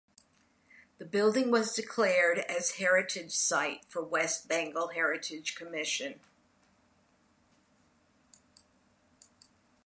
The building was declared as heritage site by West Bengal Heritage Commission.